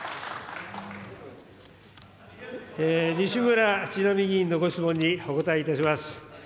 西村智奈美議員のご質問にお答えいたします。